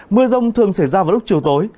mưa rông thường xảy ra vào lúc chiều tối